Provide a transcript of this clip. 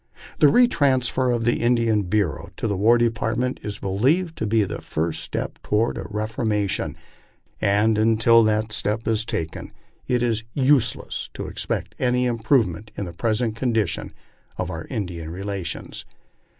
The retransfer of the Indian Bureau to the War Depart ment is believed to be the first step toward a reformation, and until that step is taken it is useless to expect any improvement in the present condition of our Indian relations.